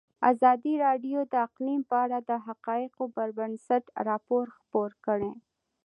ازادي راډیو د اقلیم په اړه د حقایقو پر بنسټ راپور خپور کړی.